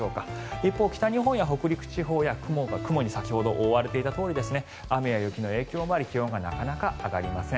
一方、北日本や北陸地方は雲に先ほど覆われていたとおり雨や雪の影響もあり気温がなかなか上がりません。